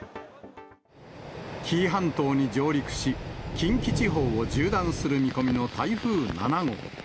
紀伊半島に上陸し、近畿地方を縦断する見込みの台風７号。